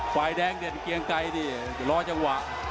ฝ่ายแดงเด่นเกียงไกรนี่รอจังหวะ